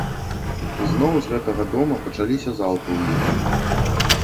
І зноў з гэтага дома пачаліся залпы ў іх.